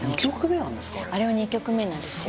あれは２曲目なんですよ